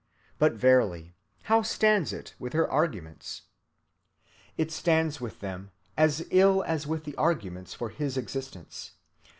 But verily, how stands it with her arguments? It stands with them as ill as with the arguments for his existence.